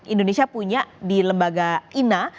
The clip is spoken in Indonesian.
indonesia punya di lembaga ina